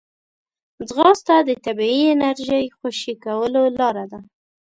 ځغاسته د طبیعي انرژۍ خوشې کولو لاره ده